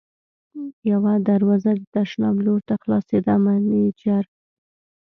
یوه دروازه د تشناب لور ته خلاصېده، مېنېجر.